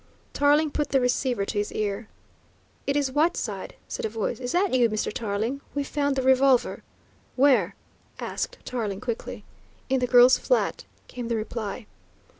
Tarling put the receiver to his ear. "It is Whiteside," said a voice. "Is that you, Mr. Tarling? We've found the revolver." "Where?" asked Tarling quickly. "In the girl's flat," came the reply.